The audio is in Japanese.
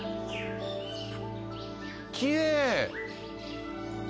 きれい！